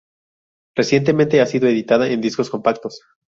Recientemente ha sido editada en discos compactos.